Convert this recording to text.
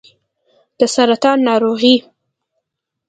د سرطان ناروغي